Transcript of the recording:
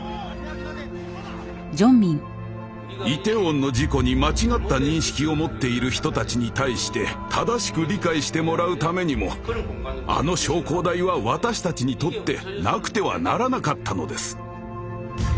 イテウォンの事故に間違った認識を持っている人たちに対して正しく理解してもらうためにもあの焼香台は私たちにとってなくてはならなかったのです。